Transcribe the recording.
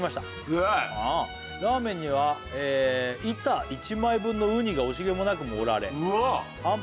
うわ「ラーメンには板一枚分のうにが惜しげもなく盛られ」うわ！